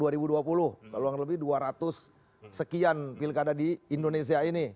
kalau lebih dua ratus sekian pilkada di indonesia ini